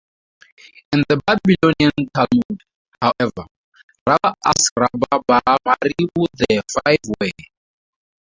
In the Babylonian Talmud, however, Rava asked Rabbah bar Mari who the five were.